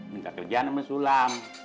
minta kerjaan sama sulam